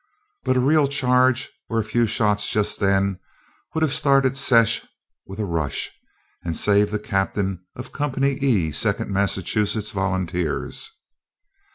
But a real charge or a few shots just then would have started "secesh" with a rush, and saved the captain of Company E, Second Massachusetts Volunteers.